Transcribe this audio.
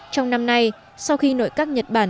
trong năm nay sau khi nội các nhật bản